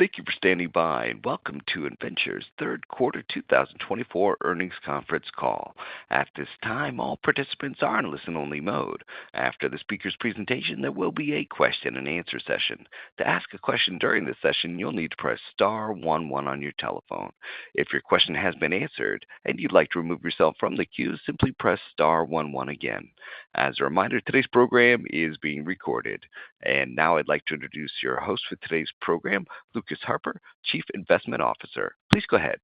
Thank you for standing by, and welcome to Innventure's Third Quarter 2024 Earnings Conference Call. At this time, all participants are in listen-only mode. After the speaker's presentation, there will be a question-and-answer session. To ask a question during this session, you'll need to press star one one on your telephone. If your question has been answered and you'd like to remove yourself from the queue, simply press star one one again. As a reminder, today's program is being recorded. And now I'd like to introduce your host for today's program, Lucas Harper, Chief Investment Officer. Please go ahead.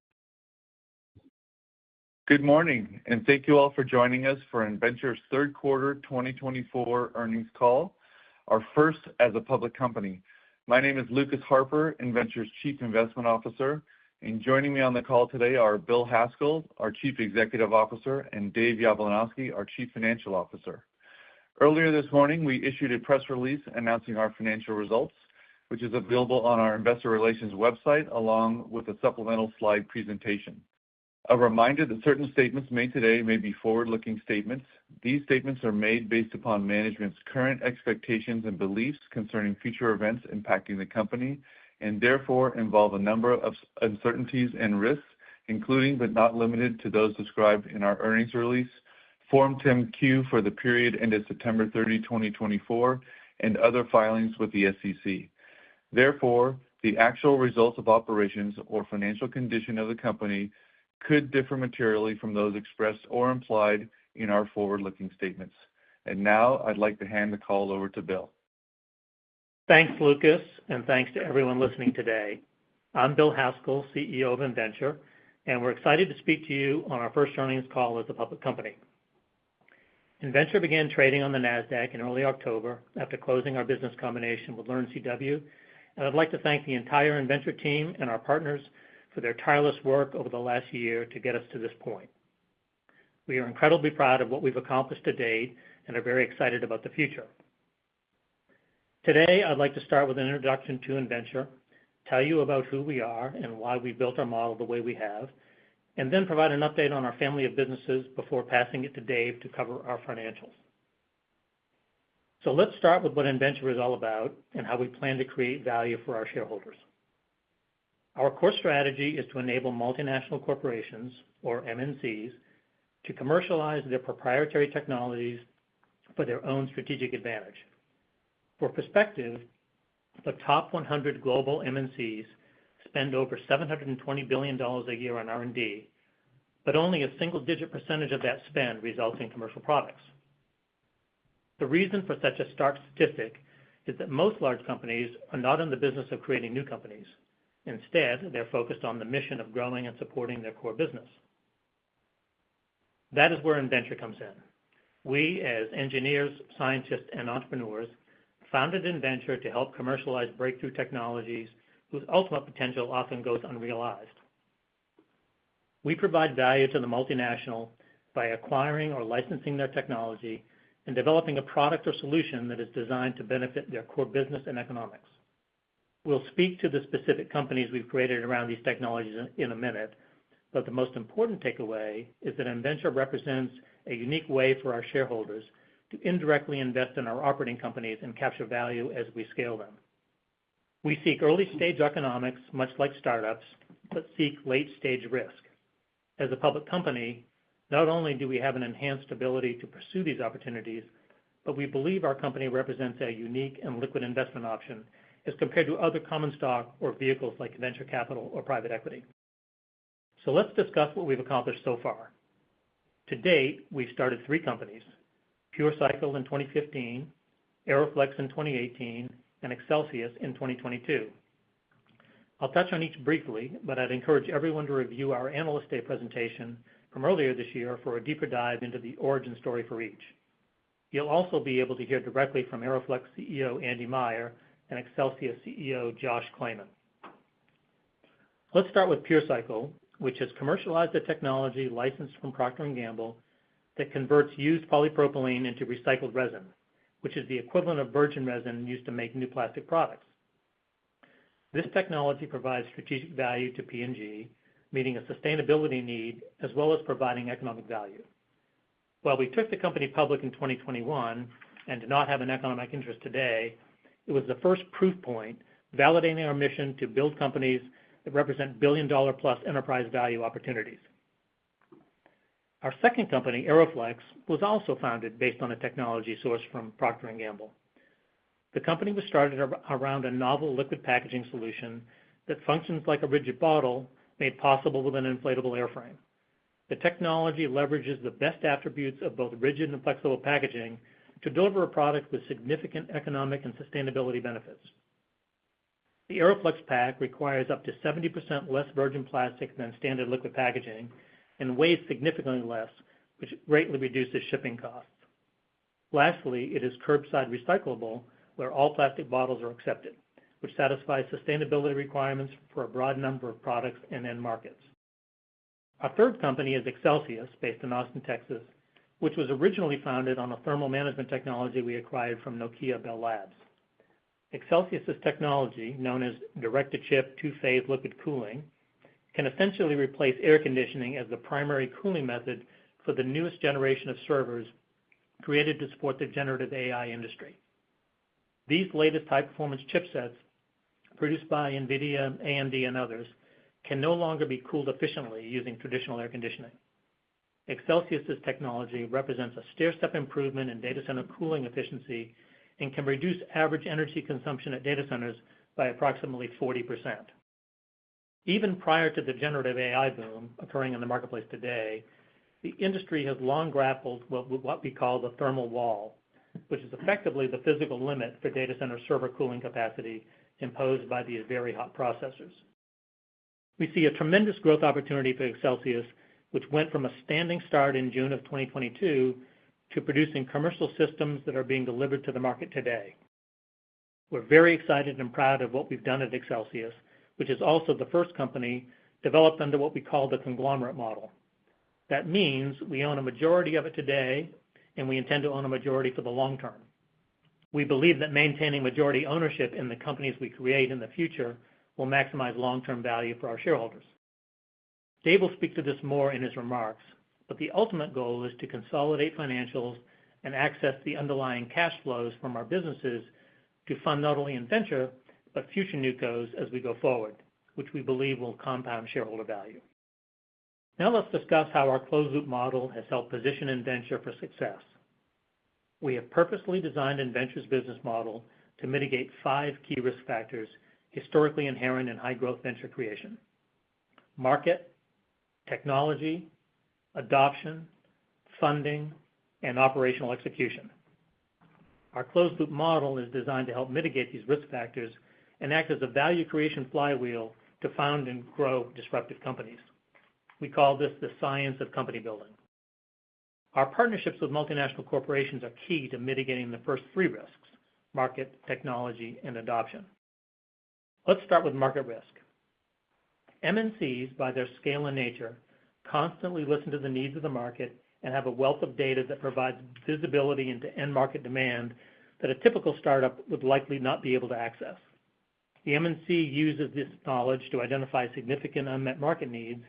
Good morning, and thank you all for joining us for Innventure's Third Quarter 2024 Earnings Call, our first as a public company. My name is Lucas Harper, Innventure's Chief Investment Officer, and joining me on the call today are Bill Haskell, our Chief Executive Officer, and Dave Yablunosky, our Chief Financial Officer. Earlier this morning, we issued a press release announcing our financial results, which is available on our investor relations website along with a supplemental slide presentation. A reminder that certain statements made today may be forward-looking statements. These statements are made based upon management's current expectations and beliefs concerning future events impacting the company and therefore involve a number of uncertainties and risks, including but not limited to those described in our earnings release, Form 10-Q for the period ended September 30, 2024, and other filings with the SEC. Therefore, the actual results of operations or financial condition of the company could differ materially from those expressed or implied in our forward-looking statements. And now I'd like to hand the call over to Bill. Thanks, Lucas, and thanks to everyone listening today. I'm Bill Haskell, CEO of Innventure, and we're excited to speak to you on our first earnings call as a public company. Innventure began trading on the NASDAQ in early October after closing our business combination with Learn CW, and I'd like to thank the entire Innventure team and our partners for their tireless work over the last year to get us to this point. We are incredibly proud of what we've accomplished to date and are very excited about the future. Today, I'd like to start with an introduction to Innventure, tell you about who we are and why we built our model the way we have, and then provide an update on our family of businesses before passing it to Dave to cover our financials. So let's start with what Innventure is all about and how we plan to create value for our shareholders. Our core strategy is to enable multinational corporations, or MNCs, to commercialize their proprietary technologies for their own strategic advantage. For perspective, the top 100 global MNCs spend over $720 billion a year on R&D, but only a single-digit percentage of that spend results in commercial products. The reason for such a stark statistic is that most large companies are not in the business of creating new companies. Instead, they're focused on the mission of growing and supporting their core business. That is where Innventure comes in. We, as engineers, scientists, and entrepreneurs, founded Innventure to help commercialize breakthrough technologies whose ultimate potential often goes unrealized. We provide value to the multinational by acquiring or licensing their technology and developing a product or solution that is designed to benefit their core business and economics. We'll speak to the specific companies we've created around these technologies in a minute, but the most important takeaway is that Innventure represents a unique way for our shareholders to indirectly invest in our operating companies and capture value as we scale them. We seek early-stage economics, much like startups, but seek late-stage risk. As a public company, not only do we have an enhanced ability to pursue these opportunities, but we believe our company represents a unique and liquid investment option as compared to other common stock or vehicles like venture capital or private equity. So let's discuss what we've accomplished so far. To date, we've started three companies: PureCycle in 2015, AeroFlexx in 2018, and Accelsius in 2022. I'll touch on each briefly, but I'd encourage everyone to review our Analyst Day presentation from earlier this year for a deeper dive into the origin story for each. You'll also be able to hear directly from AeroFlexx CEO Andy Meyer and Accelsius CEO Josh Claman. Let's start with PureCycle, which has commercialized a technology licensed from Procter & Gamble that converts used polypropylene into recycled resin, which is the equivalent of virgin resin used to make new plastic products. This technology provides strategic value to P&G, meeting a sustainability need as well as providing economic value. While we took the company public in 2021 and do not have an economic interest today, it was the first proof point validating our mission to build companies that represent billion-dollar-plus enterprise value opportunities. Our second company, AeroFlexx, was also founded based on a technology sourced from Procter & Gamble. The company was started around a novel liquid packaging solution that functions like a rigid bottle made possible with an inflatable airframe. The technology leverages the best attributes of both rigid and flexible packaging to deliver a product with significant economic and sustainability benefits. The AeroFlexx pack requires up to 70% less virgin plastic than standard liquid packaging and weighs significantly less, which greatly reduces shipping costs. Lastly, it is curbside recyclable, where all plastic bottles are accepted, which satisfies sustainability requirements for a broad number of products and end markets. Our third company is Accelsius, based in Austin, Texas, which was originally founded on a thermal management technology we acquired from Nokia Bell Labs. Accelsius's technology, known as Direct-to-Chip Two-Phase Liquid Cooling, can essentially replace air conditioning as the primary cooling method for the newest generation of servers created to support the generative AI industry. These latest high-performance chipsets, produced by NVIDIA, AMD, and others, can no longer be cooled efficiently using traditional air conditioning. Accelsius's technology represents a stair-step improvement in data center cooling efficiency and can reduce average energy consumption at data centers by approximately 40%. Even prior to the generative AI boom occurring in the marketplace today, the industry has long grappled with what we call the thermal wall, which is effectively the physical limit for data center server cooling capacity imposed by these very hot processors. We see a tremendous growth opportunity for Accelsius, which went from a standing start in June of 2022 to producing commercial systems that are being delivered to the market today. We're very excited and proud of what we've done at Accelsius, which is also the first company developed under what we call the conglomerate model. That means we own a majority of it today, and we intend to own a majority for the long term. We believe that maintaining majority ownership in the companies we create in the future will maximize long-term value for our shareholders. Dave will speak to this more in his remarks, but the ultimate goal is to consolidate financials and access the underlying cash flows from our businesses to fund not only Innventure but future Nucos as we go forward, which we believe will compound shareholder value. Now let's discuss how our closed-loop model has helped position Innventure for success. We have purposely designed Innventure's business model to mitigate five key risk factors historically inherent in high-growth venture creation: market, technology, adoption, funding, and operational execution. Our closed-loop model is designed to help mitigate these risk factors and act as a value creation flywheel to found and grow disruptive companies. We call this the science of company building. Our partnerships with multinational corporations are key to mitigating the first three risks: market, technology, and adoption. Let's start with market risk. MNCs, by their scale and nature, constantly listen to the needs of the market and have a wealth of data that provides visibility into end-market demand that a typical startup would likely not be able to access. The MNC uses this knowledge to identify significant unmet market needs,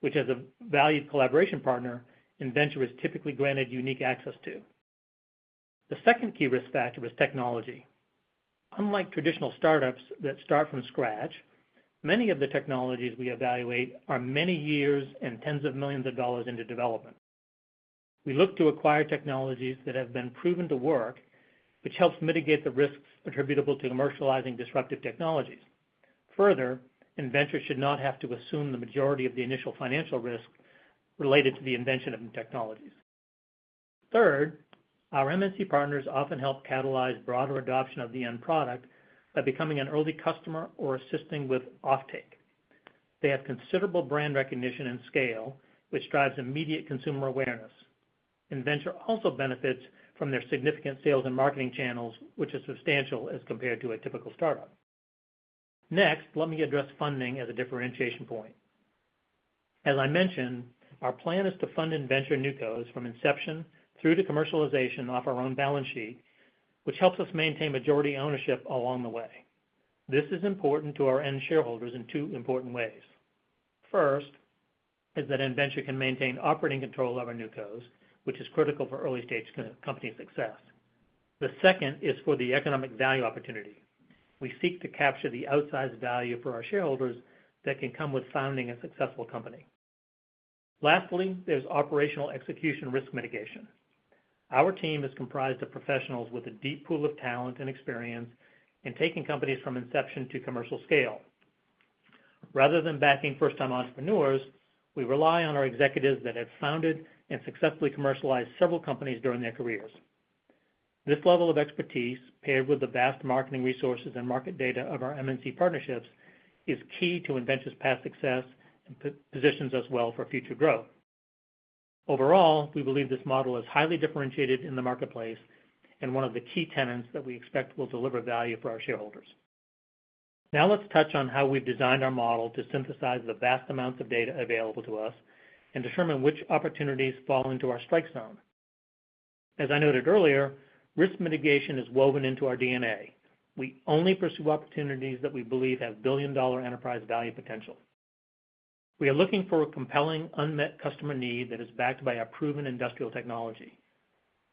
which, as a valued collaboration partner, Innventure is typically granted unique access to. The second key risk factor is technology. Unlike traditional startups that start from scratch, many of the technologies we evaluate are many years and tens of millions of dollars into development. We look to acquire technologies that have been proven to work, which helps mitigate the risks attributable to commercializing disruptive technologies. Further, Innventure should not have to assume the majority of the initial financial risk related to the invention of new technologies. Third, our MNC partners often help catalyze broader adoption of the end product by becoming an early customer or assisting with offtake. They have considerable brand recognition and scale, which drives immediate consumer awareness. Innventure also benefits from their significant sales and marketing channels, which are substantial as compared to a typical startup. Next, let me address funding as a differentiation point. As I mentioned, our plan is to fund Innventure NewCos from inception through to commercialization off our own balance sheet, which helps us maintain majority ownership along the way. This is important to our end shareholders in two important ways. First is that Innventure can maintain operating control of our NewCos, which is critical for early-stage company success. The second is for the economic value opportunity. We seek to capture the outsized value for our shareholders that can come with founding a successful company. Lastly, there's operational execution risk mitigation. Our team is comprised of professionals with a deep pool of talent and experience in taking companies from inception to commercial scale. Rather than backing first-time entrepreneurs, we rely on our executives that have founded and successfully commercialized several companies during their careers. This level of expertise, paired with the vast marketing resources and market data of our MNC partnerships, is key to Innventure's past success and positions us well for future growth. Overall, we believe this model is highly differentiated in the marketplace and one of the key tenets that we expect will deliver value for our shareholders. Now let's touch on how we've designed our model to synthesize the vast amounts of data available to us and determine which opportunities fall into our strike zone. As I noted earlier, risk mitigation is woven into our DNA. We only pursue opportunities that we believe have billion-dollar enterprise value potential. We are looking for a compelling unmet customer need that is backed by a proven industrial technology.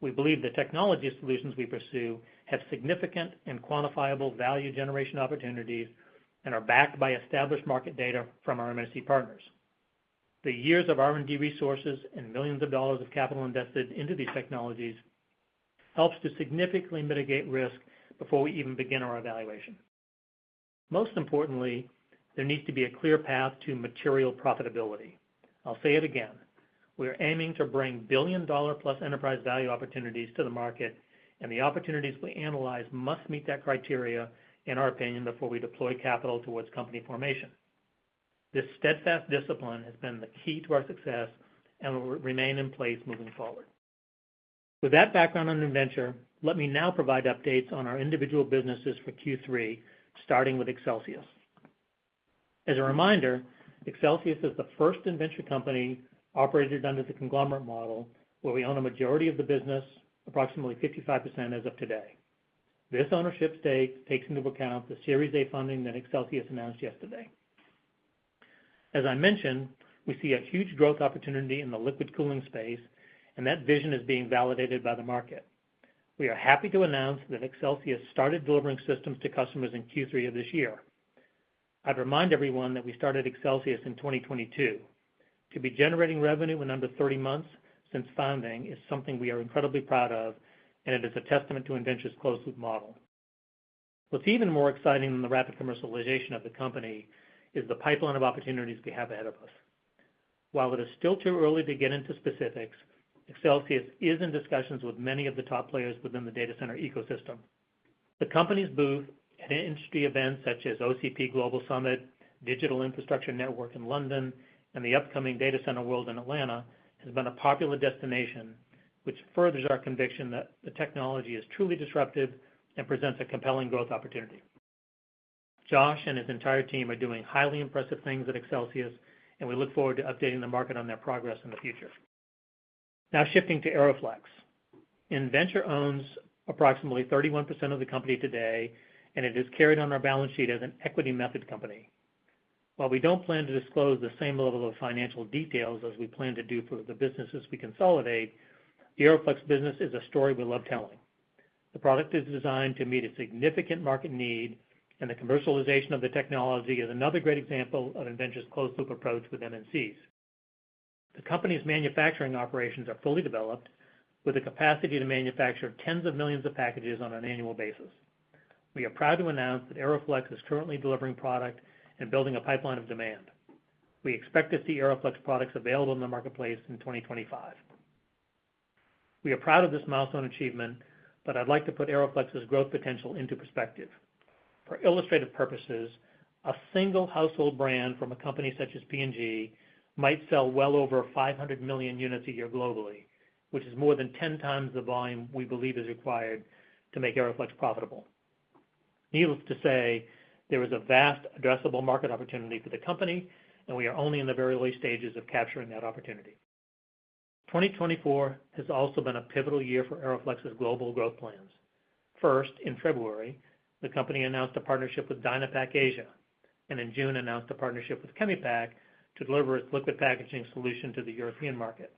We believe the technology solutions we pursue have significant and quantifiable value generation opportunities and are backed by established market data from our MNC partners. The years of R&D resources and millions of dollars of capital invested into these technologies helps to significantly mitigate risk before we even begin our evaluation. Most importantly, there needs to be a clear path to material profitability. I'll say it again. We are aiming to bring billion-dollar-plus enterprise value opportunities to the market, and the opportunities we analyze must meet that criteria, in our opinion, before we deploy capital towards company formation. This steadfast discipline has been the key to our success and will remain in place moving forward. With that background on Innventure, let me now provide updates on our individual businesses for Q3, starting with Accelsius. As a reminder, Accelsius is the first Innventure company operated under the conglomerate model where we own a majority of the business, approximately 55% as of today. This ownership stake takes into account the Series A funding that Accelsius announced yesterday. As I mentioned, we see a huge growth opportunity in the liquid cooling space, and that vision is being validated by the market. We are happy to announce that Accelsius started delivering systems to customers in Q3 of this year. I'd remind everyone that we started Accelsius in 2022. To be generating revenue in under 30 months since founding is something we are incredibly proud of, and it is a testament to Innventure's closed-loop model. What's even more exciting than the rapid commercialization of the company is the pipeline of opportunities we have ahead of us. While it is still too early to get into specifics, Accelsius is in discussions with many of the top players within the data center ecosystem. The company's booth at industry events such as OCP Global Summit, Digital Infrastructure Network in London, and the upcoming Data Center World in Atlanta has been a popular destination, which furthers our conviction that the technology is truly disruptive and presents a compelling growth opportunity. Josh and his entire team are doing highly impressive things at Accelsius, and we look forward to updating the market on their progress in the future. Now shifting to AeroFlexx. Innventure owns approximately 31% of the company today, and it is carried on our balance sheet as an equity-method company. While we don't plan to disclose the same level of financial details as we plan to do for the businesses we consolidate, the AeroFlexx business is a story we love telling. The product is designed to meet a significant market need, and the commercialization of the technology is another great example of Innventure's closed-loop approach with MNCs. The company's manufacturing operations are fully developed, with the capacity to manufacture tens of millions of packages on an annual basis. We are proud to announce that AeroFlexx is currently delivering product and building a pipeline of demand. We expect to see AeroFlexx products available in the marketplace in 2025. We are proud of this milestone achievement, but I'd like to put AeroFlexx's growth potential into perspective. For illustrative purposes, a single household brand from a company such as P&G might sell well over 500 million units a year globally, which is more than 10 times the volume we believe is required to make AeroFlexx profitable. Needless to say, there is a vast addressable market opportunity for the company, and we are only in the very early stages of capturing that opportunity. 2024 has also been a pivotal year for AeroFlexx's global growth plans. First, in February, the company announced a partnership with Dynapack Asia, and in June, announced a partnership with Chemipack to deliver its liquid packaging solution to the European market.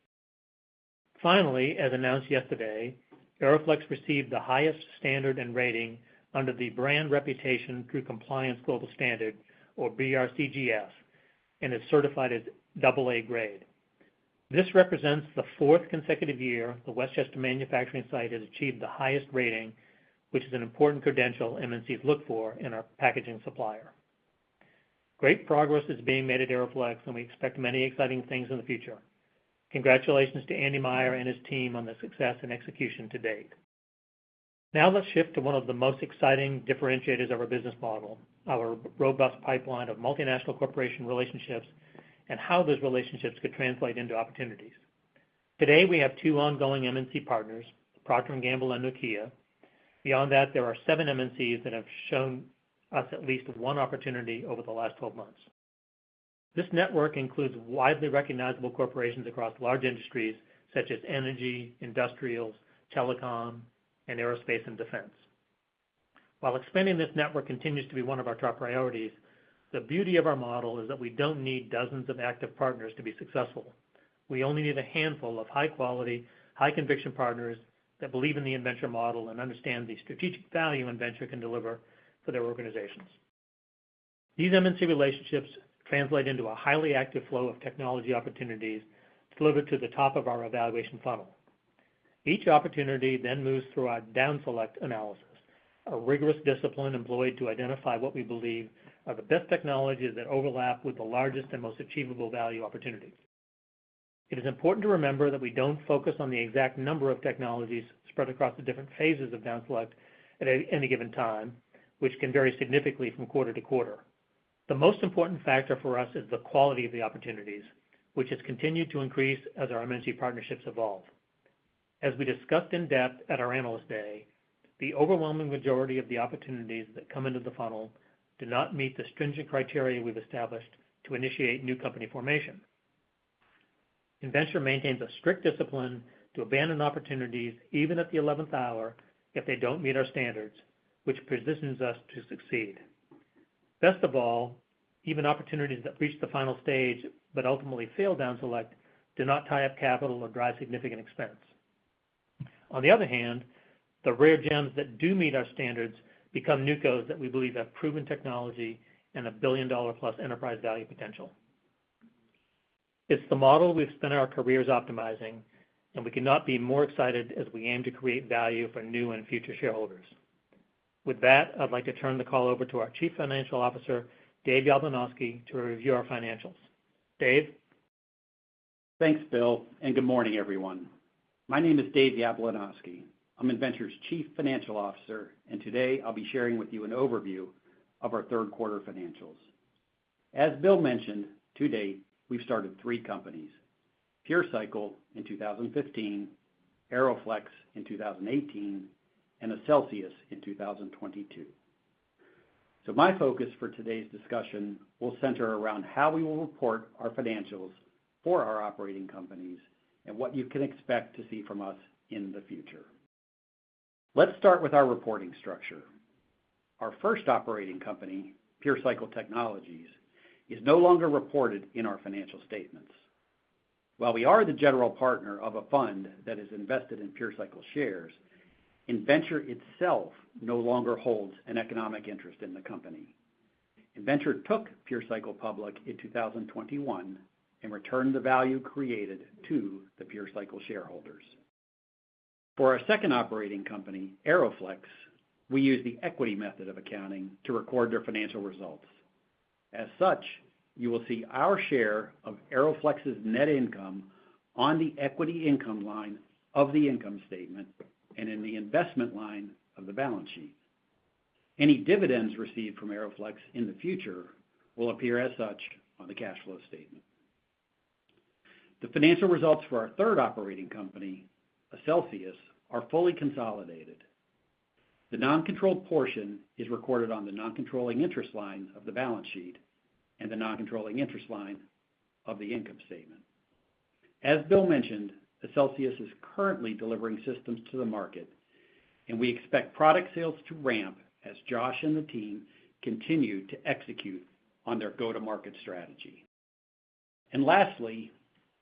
Finally, as announced yesterday, AeroFlexx received the highest standard and rating under the Brand Reputation Through Compliance Global Standard, or BRCGS, and is certified as AA grade. This represents the fourth consecutive year the West Chester Manufacturing Site has achieved the highest rating, which is an important credential MNCs look for in our packaging supplier. Great progress is being made at AeroFlexx, and we expect many exciting things in the future. Congratulations to Andy Meyer and his team on the success and execution to date. Now let's shift to one of the most exciting differentiators of our business model: our robust pipeline of multinational corporation relationships and how those relationships could translate into opportunities. Today, we have two ongoing MNC partners, Procter & Gamble and Nokia. Beyond that, there are seven MNCs that have shown us at least one opportunity over the last 12 months. This network includes widely recognizable corporations across large industries such as energy, industrials, telecom, and aerospace and defense. While expanding this network continues to be one of our top priorities, the beauty of our model is that we don't need dozens of active partners to be successful. We only need a handful of high-quality, high-conviction partners that believe in the Innventure model and understand the strategic value Innventure can deliver for their organizations. These MNC relationships translate into a highly active flow of technology opportunities delivered to the top of our evaluation funnel. Each opportunity then moves through our down-select analysis, a rigorous discipline employed to identify what we believe are the best technologies that overlap with the largest and most achievable value opportunities. It is important to remember that we don't focus on the exact number of technologies spread across the different phases of down-select at any given time, which can vary significantly from quarter to quarter. The most important factor for us is the quality of the opportunities, which has continued to increase as our MNC partnerships evolve. As we discussed in depth at our Analyst Day, the overwhelming majority of the opportunities that come into the funnel do not meet the stringent criteria we've established to initiate new company formation. Innventure maintains a strict discipline to abandon opportunities even at the 11th hour if they don't meet our standards, which positions us to succeed. Best of all, even opportunities that reach the final stage but ultimately fail down-select do not tie up capital or drive significant expense. On the other hand, the rare gems that do meet our standards become Nucos that we believe have proven technology and a billion-dollar-plus enterprise value potential. It's the model we've spent our careers optimizing, and we cannot be more excited as we aim to create value for new and future shareholders. With that, I'd like to turn the call over to our Chief Financial Officer, Dave Yablunosky, to review our financials. Dave. Thanks, Bill, and good morning, everyone. My name is Dave Yablunosky. I'm Innventure's Chief Financial Officer, and today I'll be sharing with you an overview of our third quarter financials. As Bill mentioned, to date, we've started three companies: PureCycle in 2015, AeroFlexx in 2018, and Accelsius in 2022. So my focus for today's discussion will center around how we will report our financials for our operating companies and what you can expect to see from us in the future. Let's start with our reporting structure. Our first operating company, PureCycle Technologies, is no longer reported in our financial statements. While we are the general partner of a fund that is invested in PureCycle shares, Innventure itself no longer holds an economic interest in the company. Innventure took PureCycle public in 2021 and returned the value created to the PureCycle shareholders. For our second operating company, AeroFlexx, we use the equity method of accounting to record their financial results. As such, you will see our share of AeroFlexx's net income on the equity income line of the income statement and in the investment line of the balance sheet. Any dividends received from AeroFlexx in the future will appear as such on the cash flow statement. The financial results for our third operating company, Accelsius, are fully consolidated. The non-controlled portion is recorded on the non-controlling interest line of the balance sheet and the non-controlling interest line of the income statement. As Bill mentioned, Accelsius is currently delivering systems to the market, and we expect product sales to ramp as Josh and the team continue to execute on their go-to-market strategy. And lastly,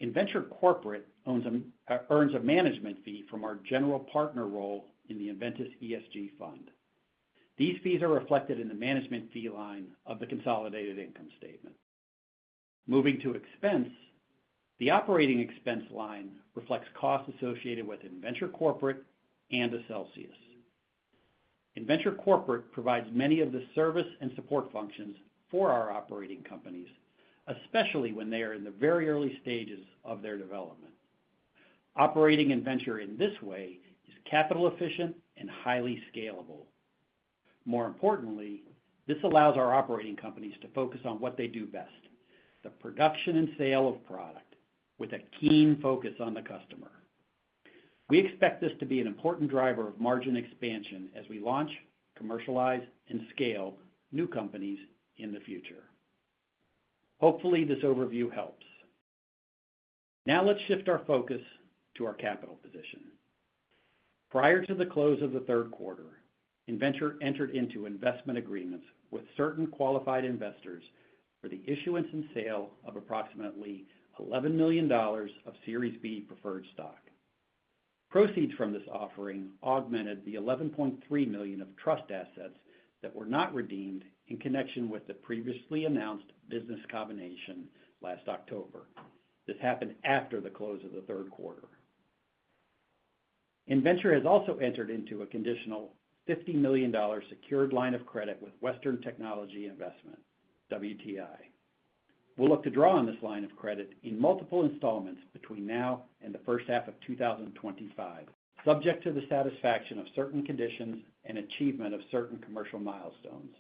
Innventure Corporate earns a management fee from our general partner role in the Innventure's ESG fund. These fees are reflected in the management fee line of the consolidated income statement. Moving to expense, the operating expense line reflects costs associated with Innventure Corporate and Accelsius. Innventure provides many of the service and support functions for our operating companies, especially when they are in the very early stages of their development. Operating Innventure in this way is capital-efficient and highly scalable. More importantly, this allows our operating companies to focus on what they do best: the production and sale of product, with a keen focus on the customer. We expect this to be an important driver of margin expansion as we launch, commercialize, and scale new companies in the future. Hopefully, this overview helps. Now let's shift our focus to our capital position. Prior to the close of the third quarter, Innventure entered into investment agreements with certain qualified investors for the issuance and sale of approximately $11 million of Series B preferred stock. Proceeds from this offering augmented the $11.3 million of trust assets that were not redeemed in connection with the previously announced business combination last October. This happened after the close of the third quarter. Innventure has also entered into a conditional $50 million secured line of credit with Western Technology Investment, WTI. We'll look to draw on this line of credit in multiple installments between now and the first half of 2025, subject to the satisfaction of certain conditions and achievement of certain commercial milestones.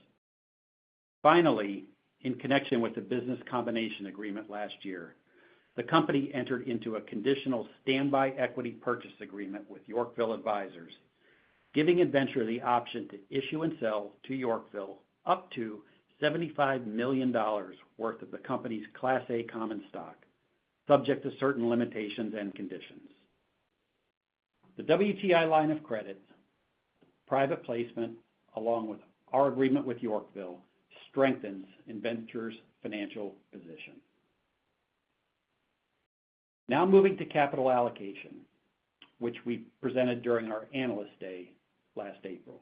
Finally, in connection with the business combination agreement last year, the company entered into a conditional Standby Equity Purchase Agreement with Yorkville Advisors, giving Innventure the option to issue and sell to Yorkville up to $75 million worth of the company's Class A common stock, subject to certain limitations and conditions. The WTI line of credit, private placement, along with our agreement with Yorkville, strengthens Innventure's financial position. Now moving to capital allocation, which we presented during our Analyst Day last April.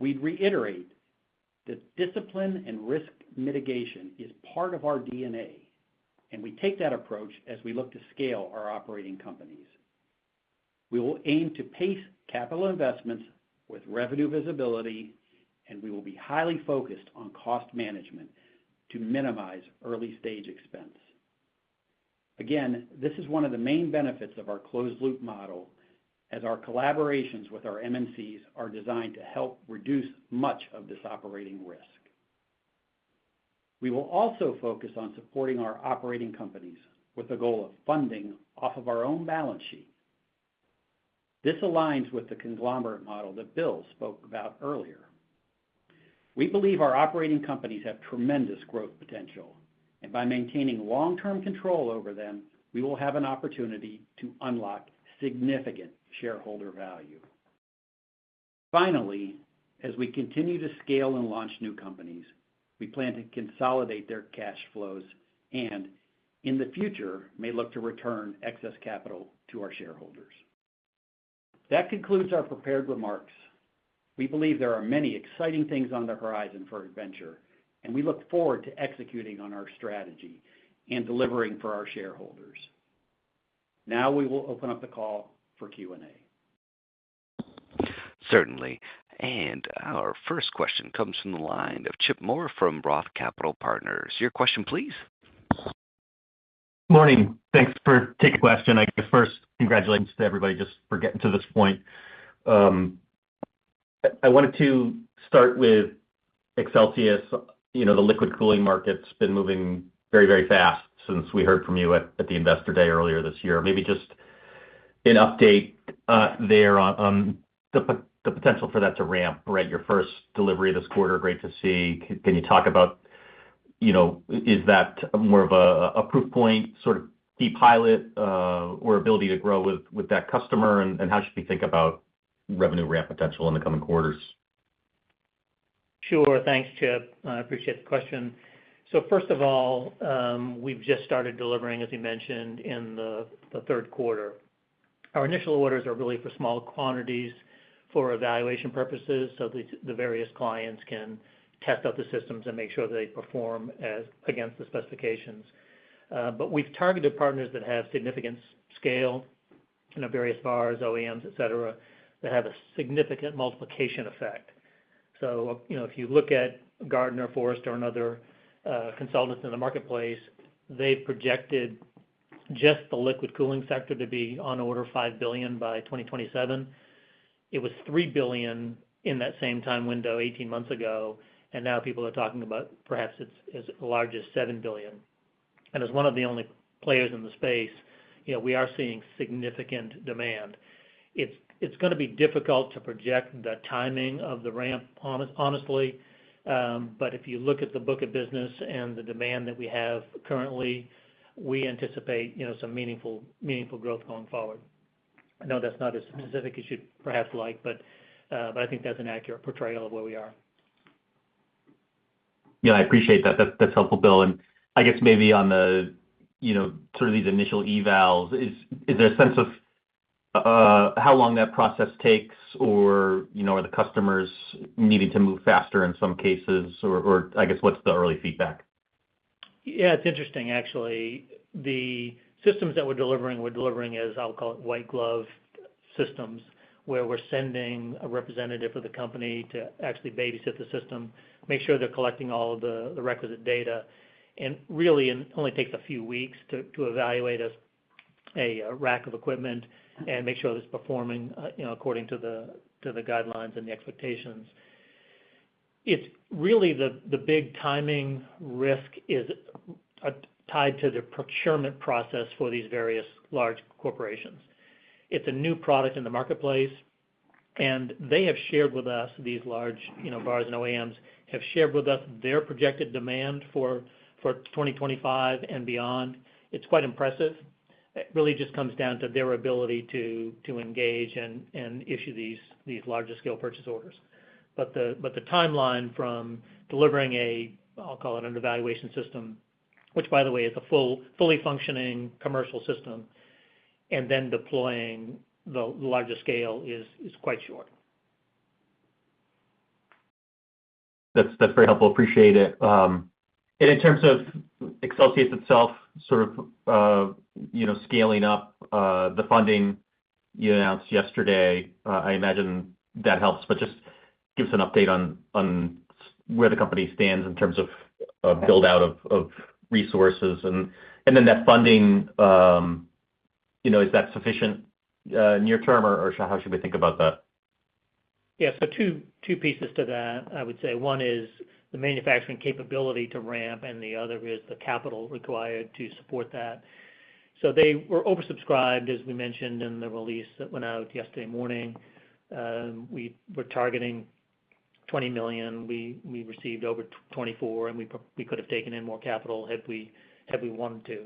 We'd reiterate that discipline and risk mitigation is part of our DNA, and we take that approach as we look to scale our operating companies. We will aim to pace capital investments with revenue visibility, and we will be highly focused on cost management to minimize early-stage expense. Again, this is one of the main benefits of our closed-loop model, as our collaborations with our MNCs are designed to help reduce much of this operating risk. We will also focus on supporting our operating companies with the goal of funding off of our own balance sheet. This aligns with the conglomerate model that Bill spoke about earlier. We believe our operating companies have tremendous growth potential, and by maintaining long-term control over them, we will have an opportunity to unlock significant shareholder value. Finally, as we continue to scale and launch new companies, we plan to consolidate their cash flows and, in the future, may look to return excess capital to our shareholders. That concludes our prepared remarks. We believe there are many exciting things on the horizon for Innventure, and we look forward to executing on our strategy and delivering for our shareholders. Now we will open up the call for Q&A. Certainly. And our first question comes from the line of Chip Moore from ROTH Capital Partners. Your question, please. Good morning. Thanks for taking the question. I guess first, congratulations to everybody just for getting to this point. I wanted to start with Accelsius. The liquid cooling market's been moving very, very fast since we heard from you at the Investor Day earlier this year. Maybe just an update there on the potential for that to ramp, right? Your first delivery this quarter, great to see. Can you talk about, is that more of a proof point, sort of key pilot, or ability to grow with that customer, and how should we think about revenue ramp potential in the coming quarters? Sure. Thanks, Chip. I appreciate the question. So first of all, we've just started delivering, as you mentioned, in the third quarter. Our initial orders are really for small quantities for evaluation purposes so that the various clients can test out the systems and make sure they perform against the specifications. But we've targeted partners that have significant scale in various VARs, OEMs, etc., that have a significant multiplication effect. So if you look at Gartner, Forrester, and other consultants in the marketplace, they've projected just the liquid cooling sector to be on order $5 billion by 2027. It was $3 billion in that same time window 18 months ago, and now people are talking about perhaps as large as $7 billion. And as one of the only players in the space, we are seeing significant demand. It's going to be difficult to project the timing of the ramp, honestly, but if you look at the book of business and the demand that we have currently, we anticipate some meaningful growth going forward. I know that's not as specific as you'd perhaps like, but I think that's an accurate portrayal of where we are. Yeah, I appreciate that. That's helpful, Bill. I guess maybe on sort of these initial evals, is there a sense of how long that process takes, or are the customers needing to move faster in some cases, or I guess what's the early feedback? Yeah, it's interesting, actually. The systems that we're delivering, we're delivering as I'll call it white glove systems, where we're sending a representative of the company to actually babysit the system, make sure they're collecting all the requisite data. And really, it only takes a few weeks to evaluate a rack of equipment and make sure it's performing according to the guidelines and the expectations. It's really the big timing risk is tied to the procurement process for these various large corporations. It's a new product in the marketplace, and they have shared with us, these large VARs and OEMs have shared with us their projected demand for 2025 and beyond. It's quite impressive. It really just comes down to their ability to engage and issue these larger-scale purchase orders. But the timeline from delivering a, I'll call it an evaluation system, which, by the way, is a fully functioning commercial system, and then deploying the larger scale is quite short. That's very helpful. Appreciate it. And in terms of Accelsius itself, sort of scaling up the funding you announced yesterday, I imagine that helps, but just give us an update on where the company stands in terms of build-out of resources. And then that funding, is that sufficient near term, or how should we think about that? Yeah, so two pieces to that, I would say. One is the manufacturing capability to ramp, and the other is the capital required to support that. So they were oversubscribed, as we mentioned in the release that went out yesterday morning. We were targeting $20 million. We received over $24 million, and we could have taken in more capital had we wanted to,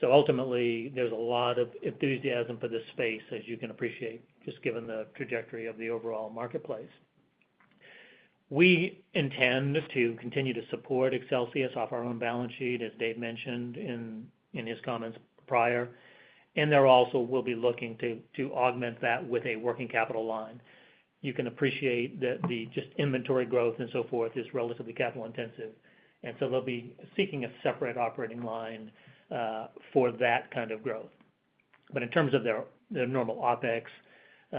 so ultimately, there's a lot of enthusiasm for this space, as you can appreciate, just given the trajectory of the overall marketplace. We intend to continue to support Accelsius off our own balance sheet, as Dave mentioned in his comments prior, and there also will be looking to augment that with a working capital line. You can appreciate that the just inventory growth and so forth is relatively capital-intensive, and so they'll be seeking a separate operating line for that kind of growth, but in terms of their normal OpEx,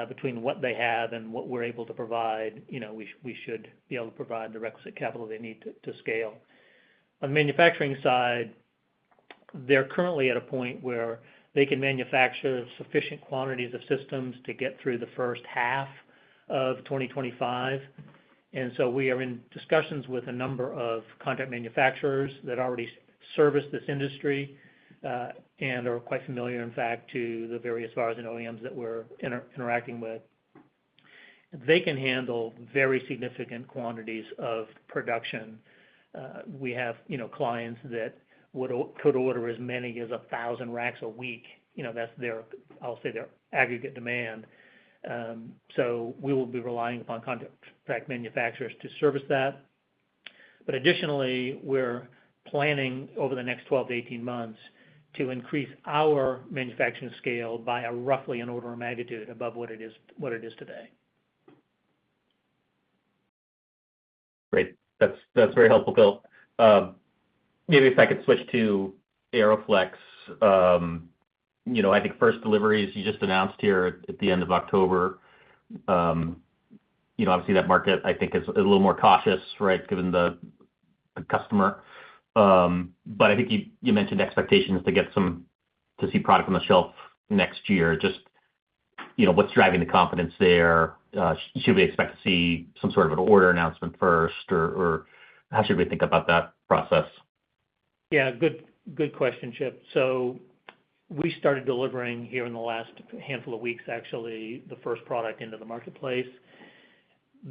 between what they have and what we're able to provide, we should be able to provide the requisite capital they need to scale. On the manufacturing side, they're currently at a point where they can manufacture sufficient quantities of systems to get through the first half of 2025. So we are in discussions with a number of contract manufacturers that already service this industry and are quite familiar, in fact, to the various VARs and OEMs that we're interacting with. They can handle very significant quantities of production. We have clients that could order as many as 1,000 racks a week. That's, I'll say, their aggregate demand. So we will be relying upon contract manufacturers to service that. But additionally, we're planning over the next 12 to 18 months to increase our manufacturing scale by roughly an order of magnitude above what it is today. Great. That's very helpful, Bill. Maybe if I could switch to AeroFlexx. I think first deliveries you just announced here at the end of October. Obviously, that market, I think, is a little more cautious, right, given the customer. But I think you mentioned expectations to see product on the shelf next year. Just what's driving the confidence there? Should we expect to see some sort of an order announcement first, or how should we think about that process? Yeah, good question, Chip. So we started delivering here in the last handful of weeks, actually, the first product into the marketplace.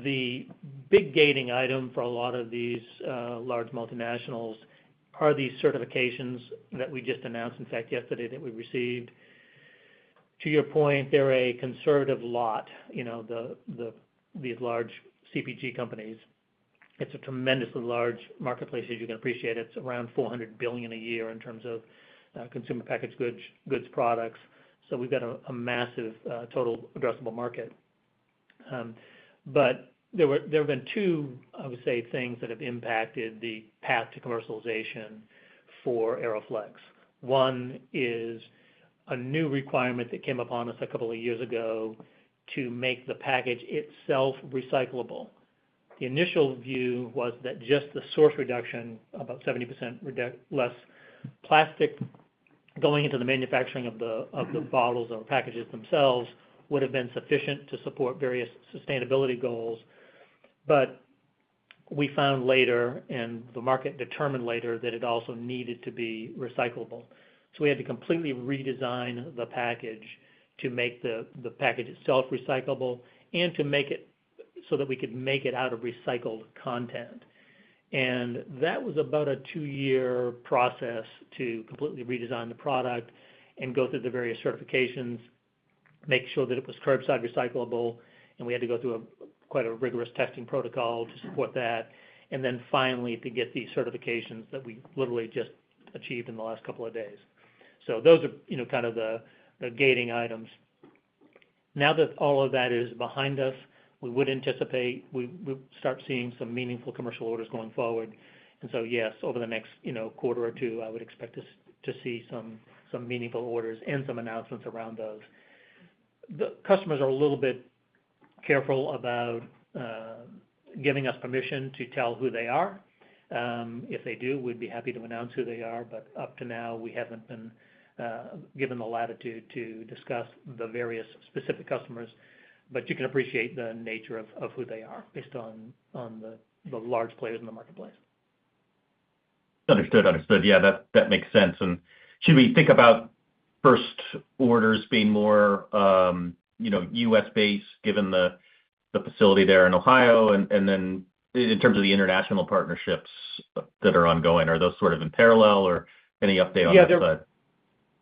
The big gating item for a lot of these large multinationals are these certifications that we just announced, in fact, yesterday, that we received. To your point, they're a conservative lot, these large CPG companies. It's a tremendously large marketplace, as you can appreciate. It's around $400 billion a year in terms of consumer packaged goods products. So we've got a massive total addressable market. But there have been two, I would say, things that have impacted the path to commercialization for AeroFlexx. One is a new requirement that came upon us a couple of years ago to make the package itself recyclable. The initial view was that just the source reduction, about 70% less plastic going into the manufacturing of the bottles or packages themselves would have been sufficient to support various sustainability goals. But we found later, and the market determined later, that it also needed to be recyclable. So we had to completely redesign the package to make the package itself recyclable and to make it so that we could make it out of recycled content. And that was about a two-year process to completely redesign the product and go through the various certifications, make sure that it was curbside recyclable, and we had to go through quite a rigorous testing protocol to support that, and then finally to get these certifications that we literally just achieved in the last couple of days. So those are kind of the gating items. Now that all of that is behind us, we would anticipate we would start seeing some meaningful commercial orders going forward. And so, yes, over the next quarter or two, I would expect to see some meaningful orders and some announcements around those. The customers are a little bit careful about giving us permission to tell who they are. If they do, we'd be happy to announce who they are, but up to now, we haven't been given the latitude to discuss the various specific customers. But you can appreciate the nature of who they are based on the large players in the marketplace. Understood. Understood. Yeah, that makes sense. And should we think about first orders being more U.S.-based, given the facility there in Ohio, and then in terms of the international partnerships that are ongoing, are those sort of in parallel, or any update on that?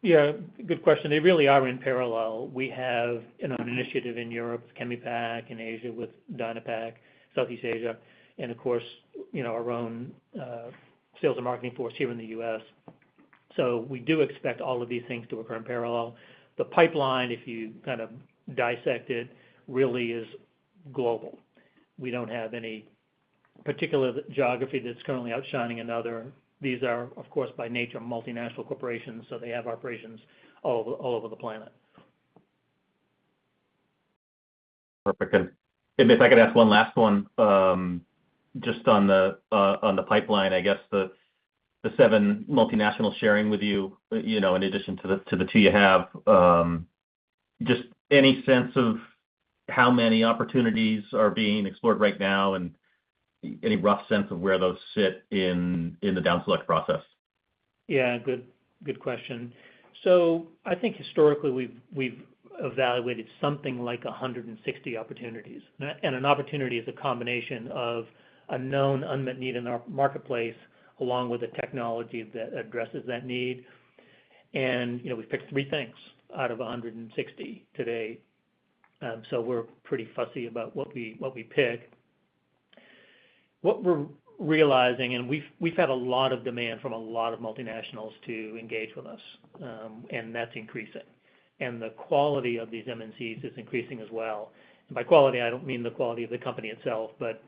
Yeah, good question. They really are in parallel. We have an initiative in Europe with Chemipack, in Asia with Dynapack, Southeast Asia, and, of course, our own sales and marketing force here in the U.S. So we do expect all of these things to occur in parallel. The pipeline, if you kind of dissect it, really is global. We don't have any particular geography that's currently outshining another. These are, of course, by nature, multinational corporations, so they have operations all over the planet. Perfect. And if I could ask one last one, just on the pipeline, I guess the seven multinationals sharing with you, in addition to the two you have, just any sense of how many opportunities are being explored right now and any rough sense of where those sit in the down select process? Yeah, good question. So I think historically, we've evaluated something like 160 opportunities. And an opportunity is a combination of a known unmet need in our marketplace along with a technology that addresses that need. And we picked three things out of 160 today. So we're pretty fussy about what we pick. What we're realizing, and we've had a lot of demand from a lot of multinationals to engage with us, and that's increasing. And the quality of these MNCs is increasing as well. And by quality, I don't mean the quality of the company itself, but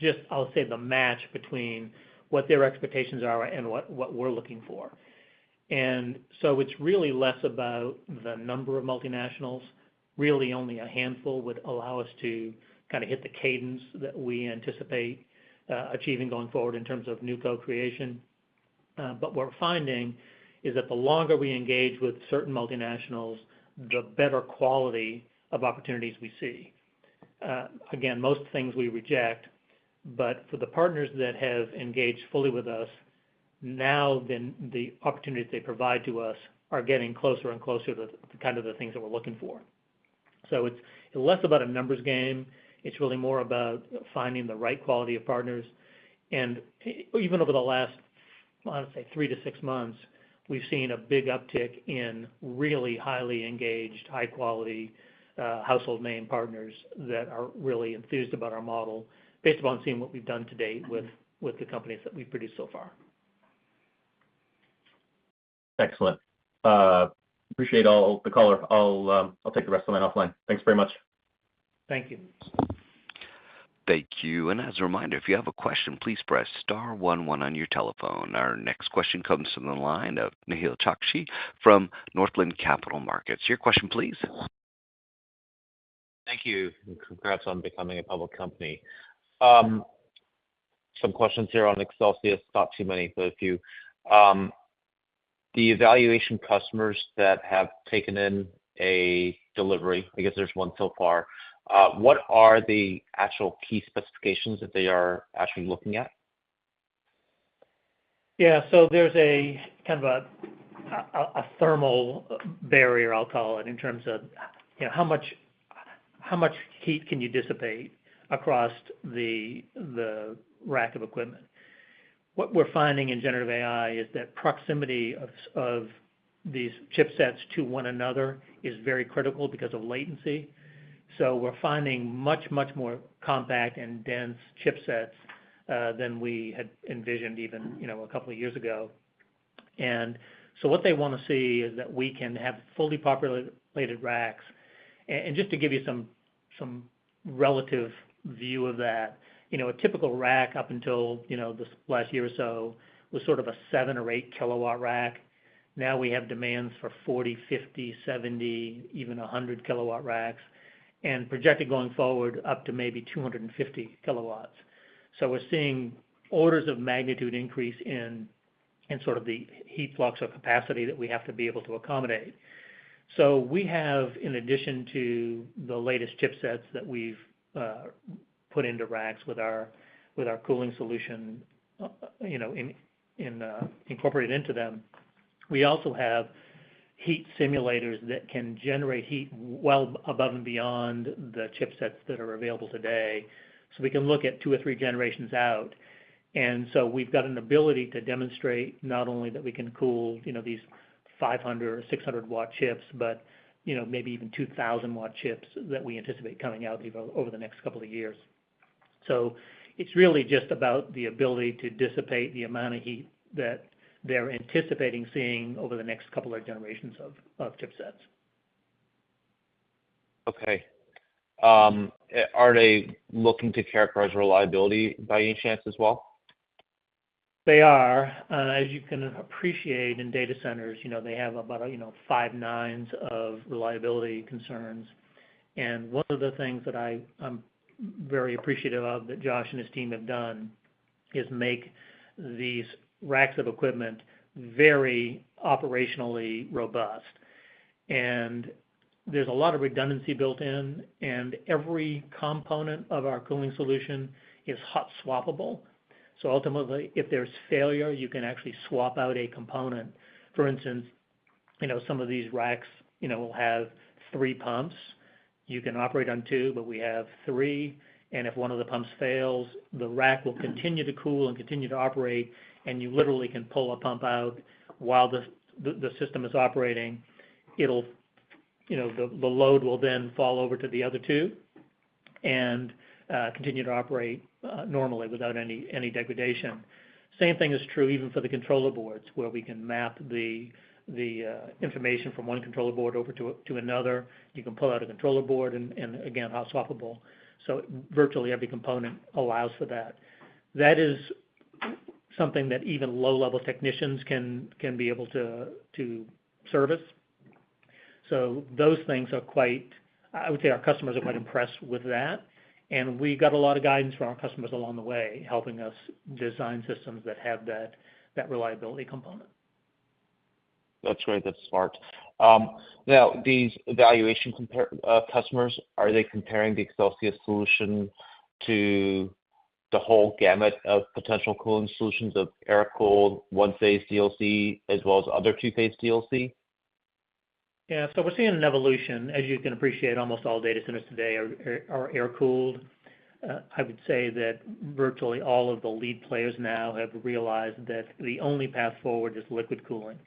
just, I'll say, the match between what their expectations are and what we're looking for. And so it's really less about the number of multinationals. Really, only a handful would allow us to kind of hit the cadence that we anticipate achieving going forward in terms of new co-creation. But what we're finding is that the longer we engage with certain multinationals, the better quality of opportunities we see. Again, most things we reject, but for the partners that have engaged fully with us, now the opportunities they provide to us are getting closer and closer to kind of the things that we're looking for. So it's less about a numbers game. It's really more about finding the right quality of partners. And even over the last, I would say, three to six months, we've seen a big uptick in really highly engaged, high-quality household name partners that are really enthused about our model, based upon seeing what we've done to date with the companies that we've produced so far. Excellent. Appreciate all the call. I'll take the rest of the line offline. Thanks very much. Thank you. Thank you. And as a reminder, if you have a question, please press star one one on your telephone. Our next question comes from the line of Nehal Chokshi from Northland Capital Markets. Your question, please. Thank you. Congrats on becoming a public company. Some questions here on Accelsius. Not too many, but a few. The evaluation customers that have taken in a delivery, I guess there's one so far, what are the actual key specifications that they are actually looking at? Yeah. So there's a kind of a thermal barrier, I'll call it, in terms of how much heat can you dissipate across the rack of equipment. What we're finding in generative AI is that proximity of these chipsets to one another is very critical because of latency. So we're finding much, much more compact and dense chipsets than we had envisioned even a couple of years ago. And so what they want to see is that we can have fully populated racks. And just to give you some relative view of that, a typical rack up until this last year or so was sort of a 7 or 8 kW rack. Now we have demands for 40-, 50-, 70-, even 100-kW racks, and projected going forward up to maybe 250 kW. So we're seeing orders of magnitude increase in sort of the heat flux or capacity that we have to be able to accommodate. So we have, in addition to the latest chipsets that we've put into racks with our cooling solution incorporated into them, we also have heat simulators that can generate heat well above and beyond the chipsets that are available today. So we can look at two or three generations out. And so we've got an ability to demonstrate not only that we can cool these 500- or 600-watt chips, but maybe even 2,000-watt chips that we anticipate coming out over the next couple of years. So it's really just about the ability to dissipate the amount of heat that they're anticipating seeing over the next couple of generations of chipsets. Okay. Are they looking to characterize reliability by any chance as well? They are. As you can appreciate in data centers, they have about five nines of reliability concerns. And one of the things that I'm very appreciative of that Josh and his team have done is make these racks of equipment very operationally robust. And there's a lot of redundancy built in, and every component of our cooling solution is hot swappable. So ultimately, if there's failure, you can actually swap out a component. For instance, some of these racks will have three pumps. You can operate on two, but we have three. And if one of the pumps fails, the rack will continue to cool and continue to operate, and you literally can pull a pump out while the system is operating. The load will then fall over to the other two and continue to operate normally without any degradation. Same thing is true even for the controller boards, where we can map the information from one controller board over to another. You can pull out a controller board and, again, hot swappable. So virtually every component allows for that. That is something that even low-level technicians can be able to service. So those things are quite, I would say our customers are quite impressed with that. And we got a lot of guidance from our customers along the way, helping us design systems that have that reliability component. That's great. That's smart. Now, these evaluation customers, are they comparing the Accelsius solution to the whole gamut of potential cooling solutions of air-cooled one-phase DLC, as well as other two-phase DLC? Yeah. So we're seeing an evolution. As you can appreciate, almost all data centers today are air-cooled. I would say that virtually all of the lead players now have realized that the only path forward is liquid cooling.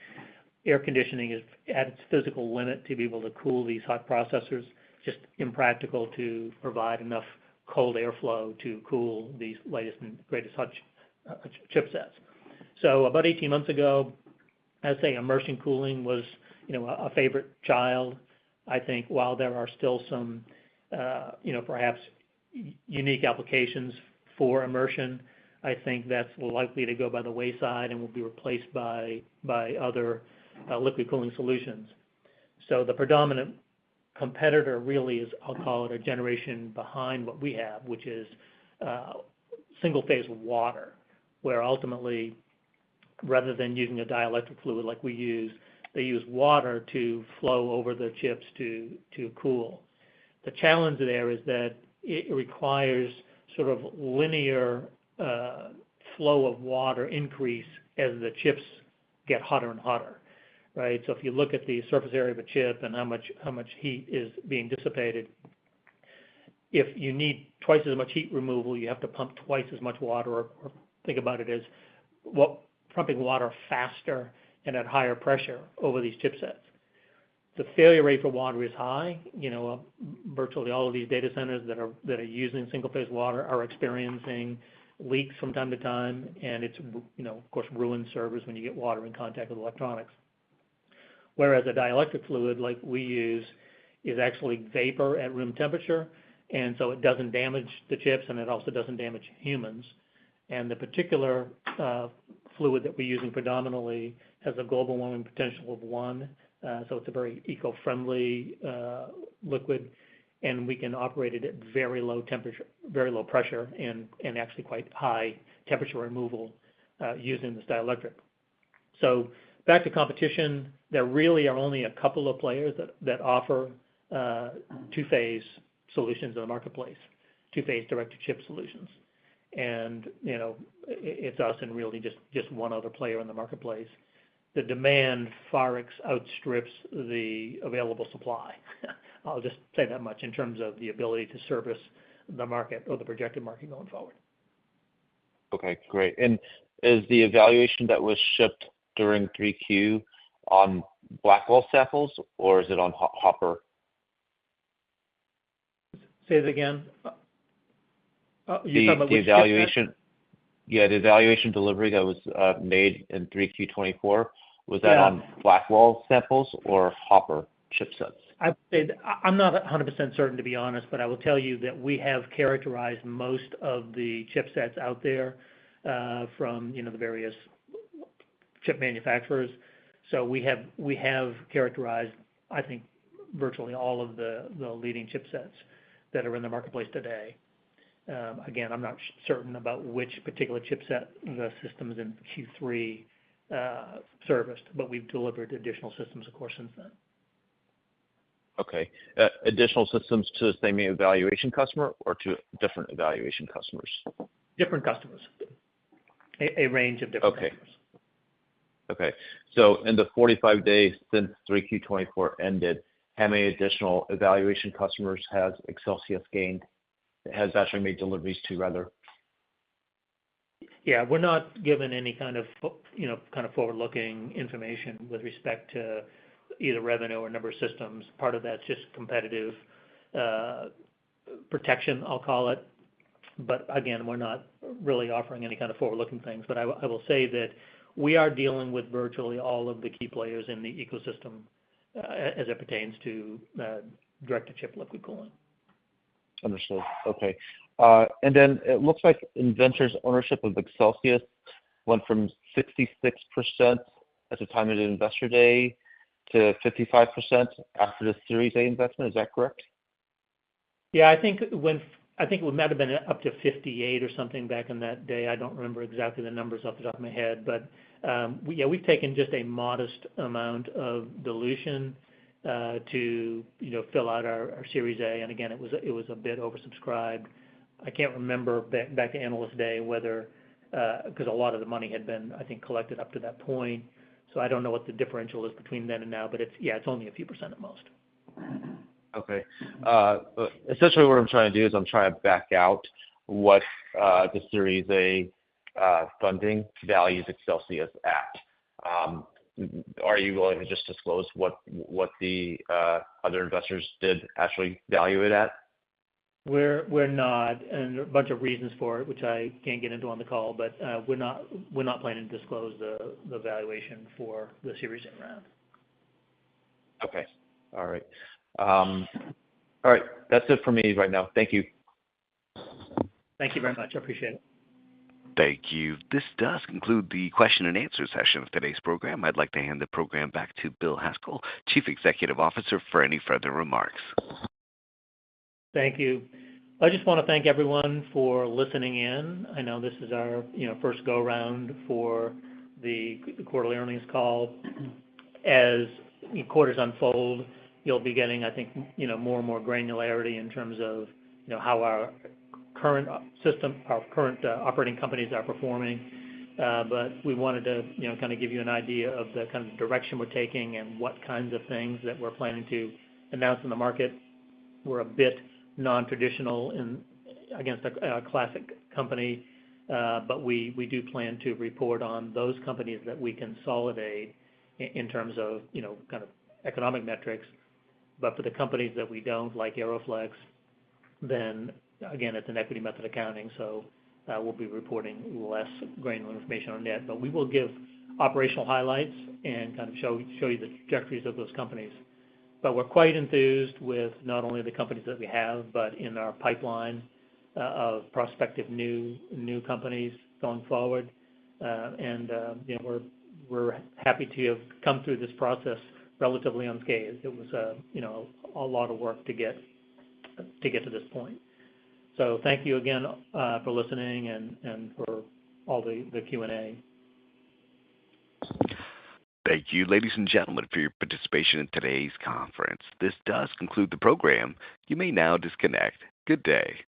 Air conditioning is at its physical limit to be able to cool these hot processors. It's just impractical to provide enough cold airflow to cool these latest and greatest chipsets. So about 18 months ago, I would say immersion cooling was a favorite child. I think while there are still some perhaps unique applications for immersion, I think that's likely to go by the wayside and will be replaced by other liquid cooling solutions. So the predominant competitor really is, I'll call it, a generation behind what we have, which is single-phase water, where ultimately, rather than using a dielectric fluid like we use, they use water to flow over the chips to cool. The challenge there is that it requires sort of linear flow of water increase as the chips get hotter and hotter, right? So if you look at the surface area of a chip and how much heat is being dissipated, if you need twice as much heat removal, you have to pump twice as much water, or think about it as pumping water faster and at higher pressure over these chipsets. The failure rate for water is high. Virtually all of these data centers that are using single-phase water are experiencing leaks from time to time, and it's, of course, ruined servers when you get water in contact with electronics. Whereas a dielectric fluid like we use is actually vapor at room temperature, and so it doesn't damage the chips, and it also doesn't damage humans, and the particular fluid that we're using predominantly has a global warming potential of one, so it's a very eco-friendly liquid, and we can operate it at very low pressure and actually quite high temperature removal using this dielectric, so back to competition, there really are only a couple of players that offer two-phase solutions in the marketplace, two-phase direct-to-chip solutions, and it's us and really just one other player in the marketplace. The demand far outstrips the available supply. I'll just say that much in terms of the ability to service the market or the projected market going forward. Okay. Great. And is the evaluation that was shipped during 3Q on Blackwell platforms, or is it on Hopper? Say that again. You're talking about which chipset? Yeah, the evaluation delivery that was made in 3Q24, was that on Blackwell's or Hopper chipsets? I'm not 100% certain, to be honest, but I will tell you that we have characterized most of the chipsets out there from the various chip manufacturers. So we have characterized, I think, virtually all of the leading chipsets that are in the marketplace today. Again, I'm not certain about which particular chipset the systems in Q3 serviced, but we've delivered additional systems, of course, since then. Okay. Additional systems to the same evaluation customer or to different evaluation customers? Different customers. A range of different customers. Okay. So in the 45 days since 3Q24 ended, how many additional evaluation customers has Accelsius gained? Has actually made deliveries to, rather? Yeah. We're not given any kind of forward-looking information with respect to either revenue or number of systems. Part of that's just competitive protection, I'll call it. But again, we're not really offering any kind of forward-looking things. But I will say that we are dealing with virtually all of the key players in the ecosystem as it pertains to direct-to-chip liquid cooling. Understood. Okay. And then it looks like Innventure's ownership of Accelsius went from 66% at the time of the Investor Day to 55% after the Series A investment. Is that correct? Yeah. I think it would not have been up to 58% or something back in that day. I don't remember exactly the numbers off the top of my head. But yeah, we've taken just a modest amount of dilution to fill out our Series A. And again, it was a bit oversubscribed. I can't remember back to Analyst Day whether because a lot of the money had been, I think, collected up to that point. So I don't know what the differential is between then and now, but yeah, it's only a few % at most. Okay. Essentially, what I'm trying to do is I'm trying to back out what the Series A Funding values Accelsius at. Are you willing to just disclose what the other investors did actually value it at? We're not. And there are a bunch of reasons for it, which I can't get into on the call, but we're not planning to disclose the valuation for the Series A round. Okay. All right. All right. That's it for me right now. Thank you. Thank you very much. I appreciate it. Thank you. This does conclude the question-and-answer session of today's program. I'd like to hand the program back to Bill Haskell, Chief Executive Officer, for any further remarks. Thank you. I just want to thank everyone for listening in. I know this is our first go-around for the quarterly earnings call. As quarters unfold, you'll be getting, I think, more and more granularity in terms of how our current system, our current operating companies are performing. But we wanted to kind of give you an idea of the kind of direction we're taking and what kinds of things that we're planning to announce in the market. We're a bit non-traditional against a classic company, but we do plan to report on those companies that we consolidate in terms of kind of economic metrics. But for the companies that we don't, like AeroFlexx, then again, it's an equity method accounting, so we'll be reporting less granular information on that. But we will give operational highlights and kind of show you the trajectories of those companies. But we're quite enthused with not only the companies that we have, but in our pipeline of prospective new companies going forward. And we're happy to have come through this process relatively unscathed. It was a lot of work to get to this point. So thank you again for listening and for all the Q&A. Thank you, ladies and gentlemen, for your participation in today's conference. This does conclude the program. You may now disconnect. Good day.